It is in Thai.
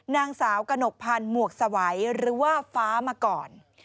นางสาวกระหนกพันธ์หมวกสวัยหรือว่าฟ้ามาก่อน